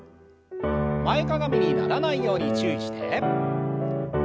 前かがみにならないように注意して。